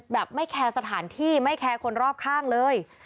แบบไม่แคร์สถานที่ไม่แคร์คนรอบข้างเลย